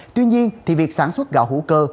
tuy nhiên việc sản xuất gạo hữu cơ